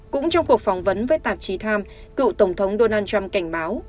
cũng trong cuộc phỏng vấn với tạp chí times cựu tổng thống donald trump cảnh báo